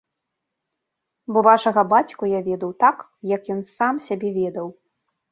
Бо вашага бацьку я ведаў так, як ён сам сябе ведаў.